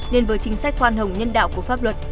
nên với chính sách khoan hồng nhân đạo của pháp luật